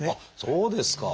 そうですか！